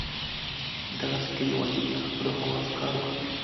دغسي که یو ادیب له خپلو حواسو کار واخلي.